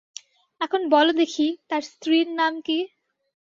এখন বল দেখি তাঁর স্ত্রীর নাম কি?